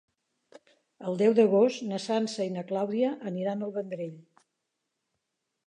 El deu d'agost na Sança i na Clàudia aniran al Vendrell.